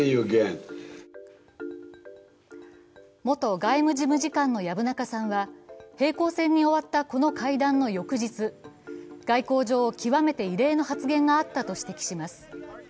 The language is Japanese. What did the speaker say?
元外務事務次官の薮中さんは、平行線に終わったこの会談の翌日、外交上極めて異例の発言があったと指摘します。